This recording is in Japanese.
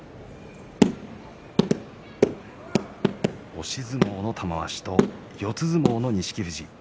押し相撲の玉鷲に四つ相撲の錦富士。